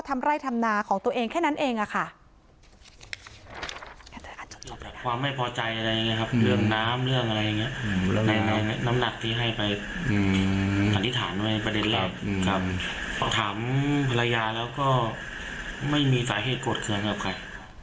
หันติฐานไว้ประเด็นแรกถามภรรยาแล้วก็ไม่มีสาเหตุโกรธเครื่องให้กับใคร